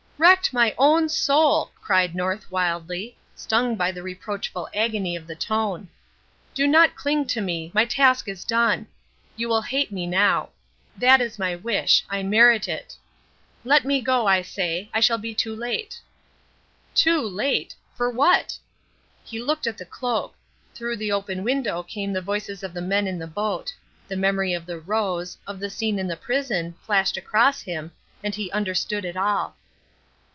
"Wrecked my own soul!" cried North, wildly, stung by the reproachful agony of the tone. "Do not cling to me. My task is done. You will hate me now. That is my wish I merit it. Let me go, I say. I shall be too late." "Too late! For what?" He looked at the cloak through the open window came the voices of the men in the boat the memory of the rose, of the scene in the prison, flashed across him, and he understood it all.